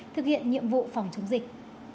thực hiện nhiệm vụ phòng chống dịch